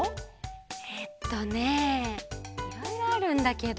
えっとねいろいろあるんだけど。